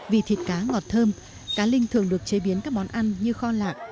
vì thịt cá ngọt thơm cá linh thường được chế biến các món ăn như kho lạc